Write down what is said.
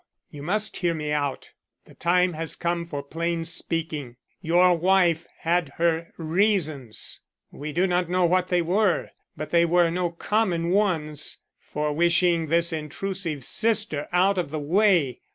you must hear me out; the time has come for plain speaking. Your wife had her reasons we do not know what they were, but they were no common ones for wishing this intrusive sister out of the way.